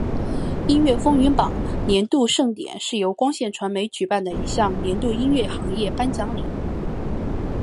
音乐风云榜年度盛典是由光线传媒举办的一项年度音乐行业颁奖礼。